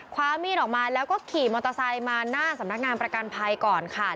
ความมีดออกมาแล้วก็ขี่มอเตอร์ไซค์มาหน้าสำนักงานประกันภัยก่อนค่ะ